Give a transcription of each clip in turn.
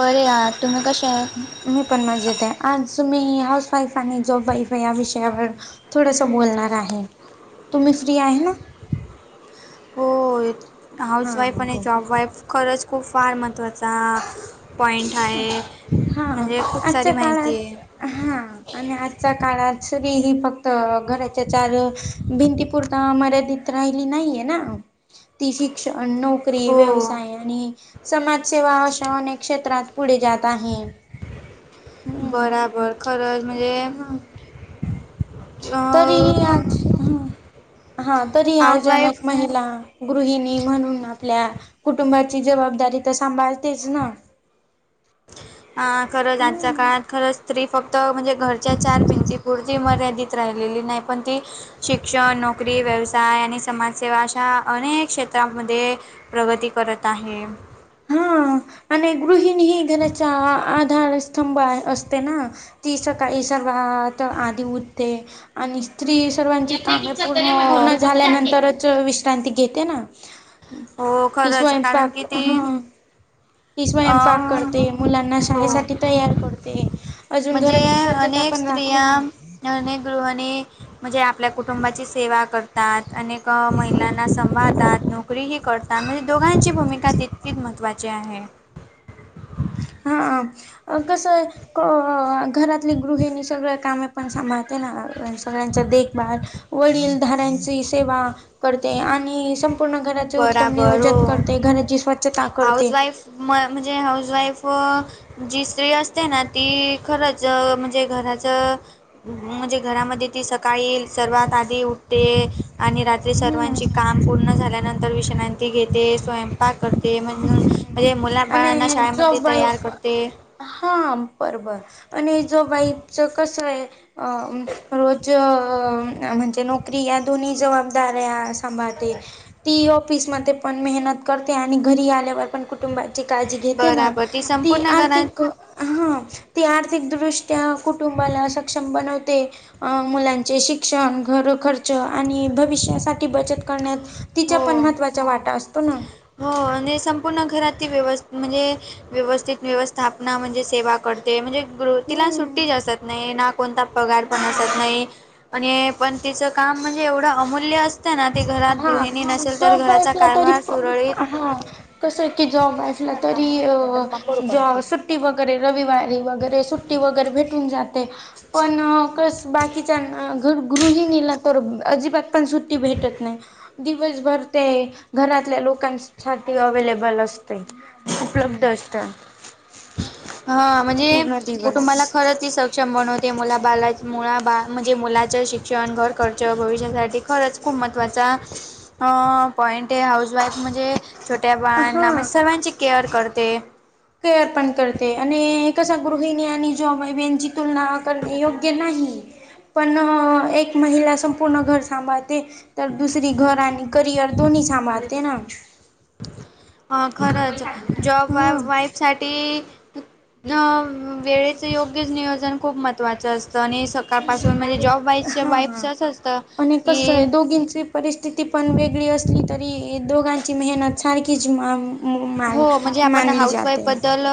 बर आ तुम्ही कसेा आ मी पण मजेत आहे आज मी हाऊस वाईफ आणि जॉब वाईफ आहे या विषयावर थोडस बोलणार आहे तुम्ही फ्री आहे ना हो हा हाऊसवाईफ आणि बोल. जॉबवाईफ खरंच खूप फार महत्त्वाचा पॉईंट आहे हा म्हणजे खूप सारी आजच्या माहिती काळात आहे हा आणि आजच्या काळात शरी ही फक्त घराच्या चार भिंतीपुरता मर्यादित राहिली नाहीये ना त श् नोकरी हो व्यवसाय आणि समाजसेवा अशा अनेक क्षेत्रात पुढे जात आहे हम्म बराबर खरंच म्हणजे हा तरी अ ख आज हम्म हा तरी हाऊसवाईफ अचानक महिला गृहिणी म्हणून आपल्या कुटुंबाची जबाबदारी तर सांभाळतेच ना ह खरंच आजच्या हम्म. काळात खरंच स्त्री फक्त म्हणजे घरच्या चार भिंती पुरती मर्यादित राहिलेली नाही पण ती शिक्षण नोकरी व्यवसाय आणि समाजसेवा अशा अनेक क्षेत्रांमध्ये प्रगती करत आहे हा आणि गृहिणी ही घराचा आधार स्तंभ आहे असते ना ती सकाळी सर्वात आधी उठते आणि स्त्री सर्वांची कामे प पूर्ण झाल्यानंतरच विश्रांती घेते ना हो ती खरंच कारण स्वयंपाक किती हा. ती स्वयंपाक करते मुलांना शाळेसाठी तयार करते अजून म्हणजे घराची स्वच्छता अनेक पण राखते स्त्रिया, ना. अनेक गृहांनी म्हणजे आप आपल्या कुटुंबाची सेवा करतात, अनेक महिलांना सभाळतात नोकरीही करतात. त्यामध्ये दोघांची भूमिका, तितकीच महत्त्वाची आहे. हा कसं, आहे. अ घरातली गृहिणी सगळ कामे पण सांभाळते ना, सगळ्यांचा देखभाल वडीलधाऱ्यांची सेवा करते, आणि स्वपूर्ण घराचे उत्तम बराबर नियोजन हो करते, घराची स्वच्छता हाऊस करते, वाईफ म म्हणजे, हाऊसवाईफ जी स्त्री असते ना, ती खरंच म्हणजे घराच, म्हणजे घरामध्ये ती सकाळी सर्वात आधी उठते, आणि रात हम्म सर्वांची काम पूर्ण झाल्यानंतर विश्रांती घेते, स्वयंपाक करते म्हणू म्हणजे मुलाबाळना आणि शाळेमध्ये, जॉब तयार वाईफ करते. हा बर, बर आणि जो बाईच कसं आहे, अ रोज म्हणजे नोकरी या, दोन्ही जबाबदाऱ्या सांभाळते. ती ऑफिसमध्ये पण मेहनत करते, आणि घरी आल्यावर पण कुटुंबात काळजी घेते ना, बराबर ती संपूर्ण घरात आर्थिक ह ती आर्थिकदृष्ट्या कुटुंबाला, सक्षम बनवते. अ मुलांचे शिक्षण घर खर्च, आणि भविष्यासाठी बचत करण्यात, तिच्या पण हो महत्त्वाचा वाटा, असतो ना. हो आणि संपूर्ण घराती व्यव म्हणजे, व्यवस्थित व्यवस्थापना म्हणजे सेवा पडते म्हणजे ग्रु तिला, हम्म सुट्टी जी असतात. नाही ना कोणता पगार पण असत नाही, आणि पण तिचं काम म्हणजे एवढं अमूल्य अस हा जोपअसलं तरी कारभार सुरळीत हा कस आहे की, जॉब असलं तरी अ जॉब सुट्टी वगैरे रविवारी वगैरे, सुट्टी वगैरे भेटून जाते, पण कस बाकीच्याना, गृहिणीला तर अजिबात पण सुट भेटत नाही, दिवसभर ते, घरातल्या लोकांशी, सारखी अव्हेलेबलअसते, उपलब्ध असतात. हा म्हणजे पूर्ण दिवस, कुटुंबाला खरंच ती सक्षम बनवते, मुला बाला मुळा बा म्हणजे, मुलाचं शिक्षण घर खर्च भविष्यासाठी खरंच, खूप महत्त्वाचा पॉईंट अ आहे, हाऊसवाईफ म्हणजे, छोट्या बाळ, हा सर्वांची केअर करते. केअर पण करते, आणि कसा गृहिणी आणि जॉब बेनची तुलना पण योग्य नाही. पण एक महिला संपूर्ण घर सांभाळते, तर दुसरी घर आणि करिअर दोन्ही सांभाळते ना. हा खरच, जॉब वाईफ साठी, न वेळेचं योग्यच नियोजन खूप महत्त्वाचं असतं, आणि स कापासून म्हणजे जॉब वाईब च, वाईफच असं असतं की होगिच, परिस्थिती पण वेगळी असली तरी, दोघांची मेहनत सारखीच मा माल हो म्हणजे, आपण मानली हाऊस वाईफ जाते बद्दल,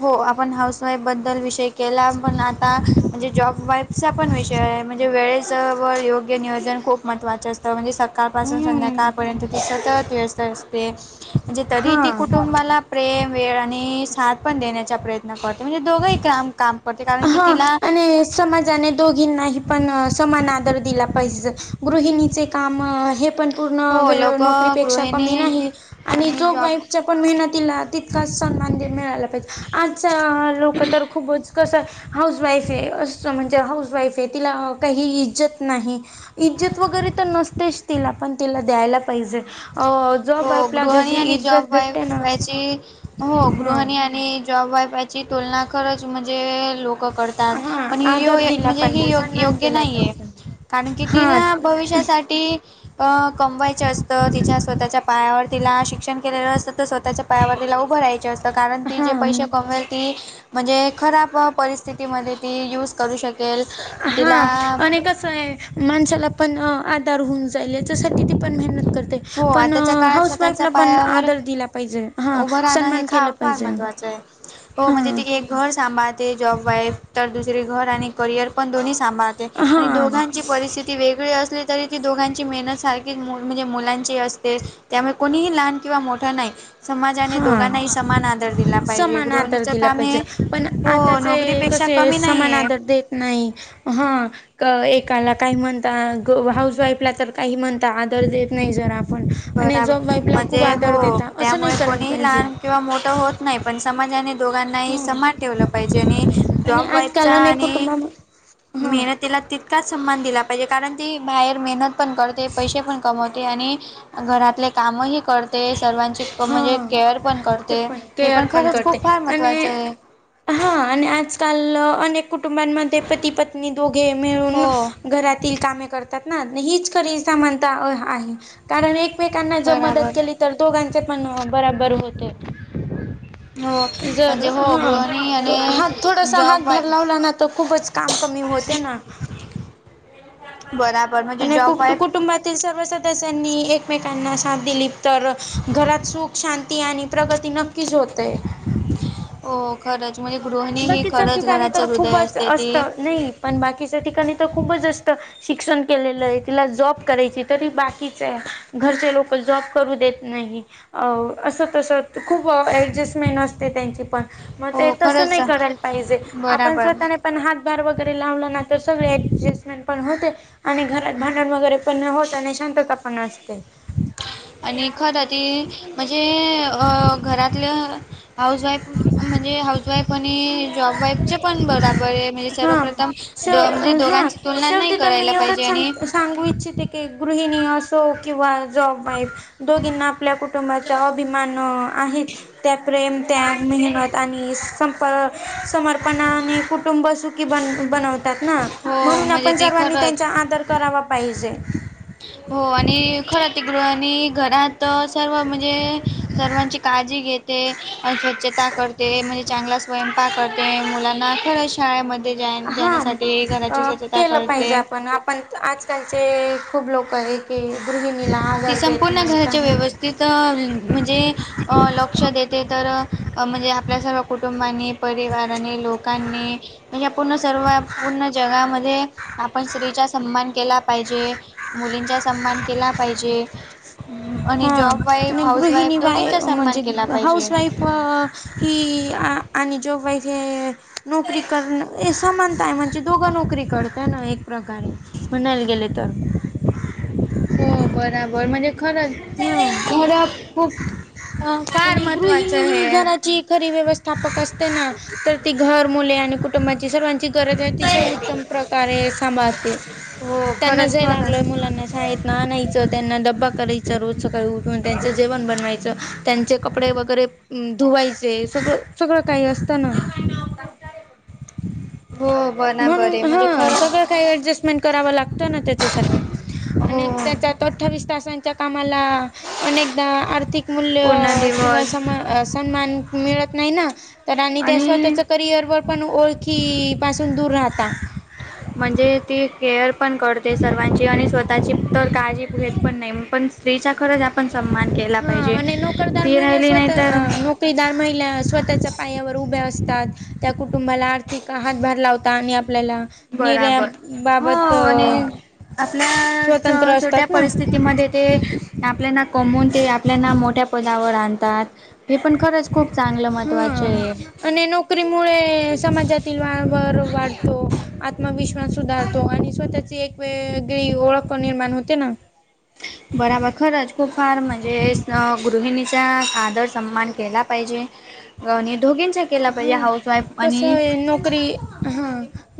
हो आपण हाऊसवाईफबद्दल विषय केला, पण आता म्हणजे जॉब वाईफ, पण विषय आहे, म्हणजे वेळेस वर योग्य नियोजन खूप, महत्वाचं असतं म्हणजे सकाळपासून हम्म संध्याकाळपर्यंत ती, सतत व्यस्त असते म्हणजे तरी ती, हा कुटुंबाला प्रेम वेळ आणि, साथ पण देण्याचा प्रयत्न करते, म्हणजे दोघंही काम, काम करते, कारण की हा तिला आणि समाजाने दोघींनाही पण समान आदर दिला पाहिजे, गृहिणीचे काम हे पण, पूर्ण हो वेळ लोक नोकरीपेक्षा कमी गृहिणी नाही, आणि जो वाईफच्या, पण मेहनतीला तितकाच सन्मान दिन मिळाला पाहिजे आज लोकं तर खूपच कसं, हाऊस वाईफ आहे असतं म्हणजे हाऊस वाईफ आहे तिला काही इज्जत नाही. इज्जत वगैरे तर नसतेच तिला पण तिला द्यायला. पाहिजे. अ जॉब हो वाईफला गृहिणी जशी आणि जॉब इज्जत भेटते वाईफ ना याची हो हा गृहिणी आणि, जॉब वाईफची तुलना खरंच म्हणजे लोक, करतात हा पण आदर य दिला म्हणजे ह पाहिजे सन्मान योग्य केला नाहीये. पाहिजे. कारण की हा तिला भविष्यासाठी अ कमवायचे असत. तिच्या स्वतःच्या पायावर तिला शिक्षण केलेलं असतं तर स्वतःच्या पायावर तला उभं रायं असतं. तर कारण ती हा जे पैसे कमवेल ती म्हणजे खराब परिस्थितीमध्ये ती यूज, करू शकेल हा तिला, आणि आहे. माणसाला पण आधार होऊन जाईल याच्यासाठी ती पण मेहनत करत. हो पण आताच्या काळात हाऊस स्वतःच्या वाईफला पण पायावर आदर दिला पाहिजे हा उभं राहणं हे सन्मान खा केलं फार पाहिजे. महत्त्वाचं आहे. हो हा म्हणजे ती एक घर सांभाळते जॉब वाईफ तर दुसरे घर आणि करियर पण दोन्ही सांभाळते. हा दोघांची परिस्थिती वेगळी असली तरी ती दोघांची मेहनत सारखी म्हणजे मुलां. अस त्यामुळे कोणीही लहान किंवा मोठा नाही. समाजाने हा दोघांनाही समान आदर दिला पाहिजे समान आदर गृहिणीच दिला काम हे पाहिजे पण हो आताचे नोकरीपेक्षा, अच कसे कमी समान नाहीये. आदर देत नाही हा. एकाला काही म्हणता हाऊस वाईफला तर काही म्हणता आदर देत नाही जर, ण आणि बराबर जॉब वाईफला खूप म्हणजे आदर हो देता असं त्यामुळे नाही करायला कोणीही पाहिजे. लहान किंवा मोठं होत नाही पण समाजाने. दोघांनाही ह समान ठेवलं पाहिजे आणि आणि जॉब आजकाल वाईफचा अनेक आणि कुटुंबा हा मेहनत, त्याला तितकाच सन्मान दिला पाहिजे कारण ती बाहेर मेहनत पण करते पैसे पण कमवते आणि, घरातले कामही करते सर्वांची, शितकं हा म्हणजे केअर पण ते करते हे केअर पण खरंच करते खूप फार महत्त्वाचं आणि आहे. हा आणि आजकाल अनेक कुटुंबांमध्ये पती पत्नी दोघे मिळून. हो घरातील कामे करतात ना हीच करी सामानता आहे. कारण एकमेकांना जर बराबर मदत केली तर दोघांचे पण बराबर होते. हो जर म्हणजे हो हा गृहिणी हात आणि थोडासा हात जॉब वाय भर लावला ना तर खूपच काम कमी होते ना, ठी बराबर म्हणजे आणि कु कुटुंबातील सर्व सदस्यांनी एक एकमेकांना साथ दिली तर घरात सुख शांती आणि प्रगती नक्कीच होतय हो खरंच म्हजे ग, बाकीच्या ठिकाणी तर खूपच असत ती नाही पण बाकीच्या ठिकाणी तर खूपच असत शिक्षण केलेलं आहे तिला जॉब करायची तरी बाकीच आहे घरचे लोक जॉब करू देत नाही. अ असं तस खूप ऍडजस्टमेंट असते त्यांची पण मग ते, हो त खरंच नाही करायला पाहिजे आपण बराबर स्वतः, पण हातभार वगैरे लावलं ना तर सगळे ऍडजस्टमेंट पण होते. आणि घरात भांडण वगैरे पण होत आणि शांतता पण असते. आणि खरं ती म्हणजे घरातल्या, हाऊस वाईफ म्हणजे हाऊस वाईफ आणि जॉब वाईफ चे पण बर, म्हणजे हा सर्वप्रथम म्हणजे शेव हा दोघांची तुलना शेवटी नाही तर मी करायला एवढंच पाहिजे आणि, सांग सांगू इच्छिते की गृहिणी असो किंवा जॉब वाईफ दोघींना, आपल्या कुटुंबाचा अभिमान आहेत त्या प्रेम त्याग मेहनत आणि स, प समर्पणाने कुटुंब सुखी बन बनवतात ना हो म्हणून म्हणजे आपण ती सर्वांनी खरंच त्यांचा आदर करावा पाहिजे हो आणि खरं तििकड आणि घरात सर्व म्हणजे सर्वांची काळजी घेते स्वच्छता करते म्हणजे चांगला स्वयंपाक करते मुलांना खरंच शाळेमध्ये जा हा जाण्यासाठी घराची स्वच्छता करते पण आजकालचे खूप लोक आहे की गृहिणीला आदर देत नाही का तिथं म्हणजे लक्ष देते तर म्हणजे आपल्या सर्व कुटुंबानी परिवाराने लोकांनी म्हणजे पूर्ण सर्व पूर्ण जगामध्ये आपण स्त्रीचा सन्मान केला पाहिजे मुलींचा सन्मान केला पाहिजे हा आणि जॉब वाईफ आणि हाऊस वाईफ दोघींचा सन्मान केला पाहिजे व ही आणि जो वैज नोकरी करण समानताय म्हणजे दोघं नोकरी करतय ना एक प्रकारे मनायला गेल तर हो बराबर म्हणजे खरं हम्म खर खूप अ, फार आणि गृहिणी महत्त्वाचं ही हे घरात जी खरी व्यवस्थापक असते ना तर ती घर मुले आणि कुटुंबाची सर्वांची गरज आहे अतिशय उत्तम प्रकारे सांभाळते हो त्यांना खरंच जे खरंच लागतेय मुलांना शाळेतंन आणायचं त्यांना ड्बा करायचं रोज सकाळी उठून त्यांचं जेवण बनवायचं त्यांचे कपडे वगैरे धुवायचे सगळं सगळं काही असतना हो बराबरे म्हणून म्हणजे हां खरं सगळं काही ॲडजस्टमेंट करावं लागतं ना त्याच्यासाठी आणि हो त्याच्यात अठ्ठावीस तासांच्या कामाला अनेकदा आर्थिक मूल्य पूर्ण किंवा दिवस समा सन्मान मिळत नाही ना तर आणि त्या स्वतःच करिअरवरर पण ओळखी पासून दूर राहता म्हणजे ती केअर पण करते सर्वांची आणि स्वतःची तर काळजी घेत पण नाही पण स्त्रीच्या खरंच पण सन्मान केला हा पाहिजे आणि ती महिला राहिली नाही स्वतः तर नोकरदार महिला स्वतःच्या पायावर उभ्या असतात त्या कुटुंबाला आर्थिक हातभार लावतात आणि आपल्याला बराबर हो निर्याबाबत आणि स्वतंत्र आपल्या छोट्या असतात ना परिस्थिती म ते आपल्याना कमून ते आपल्याना मोठ्या पदावर आणतात हे पण खरंच खूप चांगलं महत्वाचे हा आहे आणि नोकरीमुळे समाजातील वावर वाढतो आत्मविश्वास सुधारतो आणि स्वतः एक वेगळी ओळख निर्माण होते ना बराबर खरंच खूप फार म्हणजे गृहिणीचा आदर सन्मान केला पाहिजे आणि दोघींचं हा कस नोकरी हा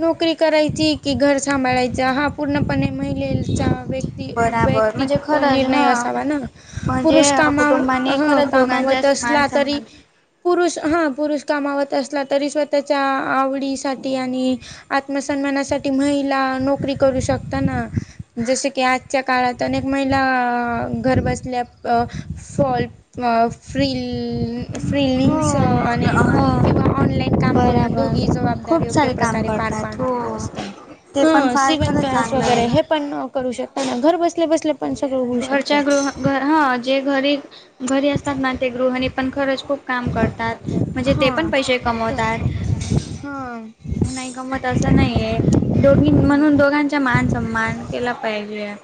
नोकरी करायची की घर सांभाळायचा हा पूर्णपणे महिलेचा व्यक् बराबर म्हणजे वैयक्तिक खरंच निर्णय हा असावा ना म्हणजे पुरुष कामा कुटुंबाने ह खरंच दोघांच्या कामावत मान असला तरी सन्मान पुरुष हा पुरुष कामावत असला तरी स्वतःच्या आवडीसाठी आणि आत्मसन्मानासाठी महिला नोकरी करू शकताना जस की आ च्या काळात अनेक महिला घर बसल्या फॉल फ्रि फ्रिलिंग्स आणि अ किंवा ऑनलाईन काम करून दोघी जबाबदारी योग्य सारे काम प्रकारे पार करतात पाडत हो. असतात ते पण ह फार सिवन खरंच क्लास चांगलं वगैरे आहे. हे पण करू शकताना घर बसले बस घरच्या गृह घ हा जे घरी घरी असतात ना ते गृहणी पण खरंच खूप काम करतात म्हणजे ते पण हा पैसे तर कमवतात हा नाही कमवत असं नाही आहे दोघी हम्म. म्हणून दोघांचा मान सम्मान केला पाहिजे